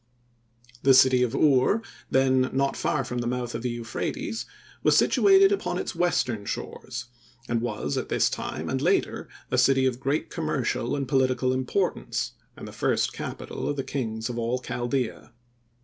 The city of Ur, then not far from the mouth of the Euphrates, was situated upon its western shores, and was at this time, and later, a city of great commercial and political importance, and the first capital of the kings of all Chaldea.